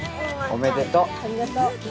おめでとう。